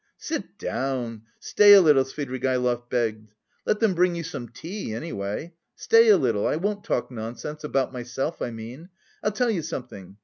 Sit down, stay a little!" Svidrigaïlov begged. "Let them bring you some tea, anyway. Stay a little, I won't talk nonsense, about myself, I mean. I'll tell you something.